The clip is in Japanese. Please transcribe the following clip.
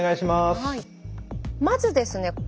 まずですね